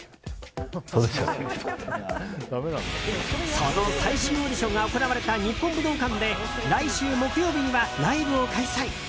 その最終オーディションが行われた日本武道館で来週木曜日にはライブを開催。